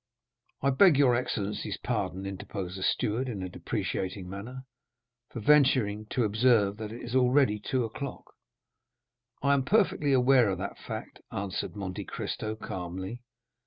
"I beg your excellency's pardon," interposed the steward in a deprecating manner, "for venturing to observe that it is already two o'clock." "I am perfectly aware of that fact," answered Monte Cristo calmly.